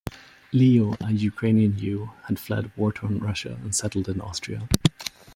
Leo, a Ukrainian Jew, had fled war-torn Russia and settled in Austria.